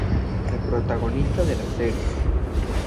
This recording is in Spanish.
El protagonista de la serie.